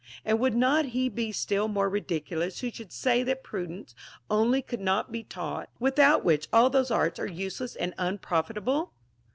And would not he be still more ridiculous who should say that prudence only could not be taught, without Avhicli all those arts are useless and unprofitable?